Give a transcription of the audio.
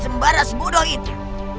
sembarang sebodoh itu